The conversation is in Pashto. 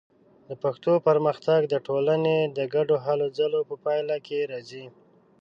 د پښتو پرمختګ د ټولنې د ګډو هلو ځلو په پایله کې راځي.